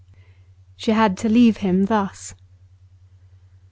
She had to leave him thus.